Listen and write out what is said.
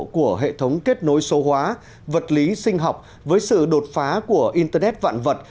của hệ thống kết nối số hóa vật lý sinh học với sự đột phá của internet vạn vật